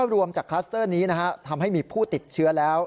รวมจากคลัสเตอร์นี้ทำให้มีผู้ติดเชื้อแล้ว